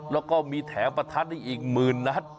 แล้วก็มีแถวประทัดอีก๑๐๐๐๐นัด